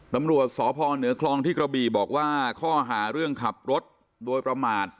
ตำรวจสพเหนือคลองที่กระบี่บอกว่าข้อหาเรื่องขับรถโดยประมาท